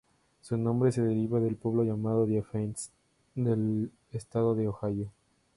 Su nombre se deriva del pueblo llamado Defiance del estado de Ohio.